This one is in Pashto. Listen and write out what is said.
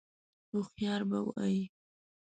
_هوښيار به وي؟